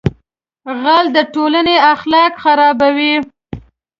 غل د ټولنې اخلاق خرابوي